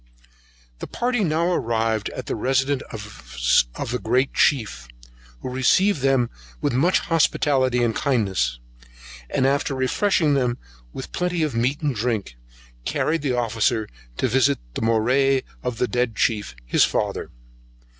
The party now arrived at the residence of a great chief, who received them with much hospitality and kindness; and after refreshing them with plenty of meat and drink, carried the officer to visit the Morai of the dead chief, his father.